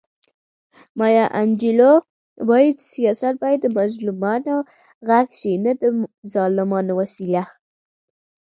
مایا انجیلو وایي چې سیاست باید د مظلومانو غږ شي نه د ظالمانو وسیله.